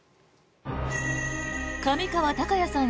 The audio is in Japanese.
上川隆也さん